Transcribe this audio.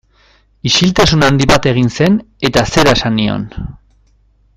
Isiltasun handi bat egin zen eta zera esan nion.